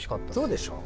そうでしょ？